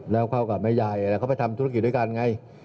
แล้วเข้ากับแม่ยายเขาไปทำธุรกิจด้วยกันไง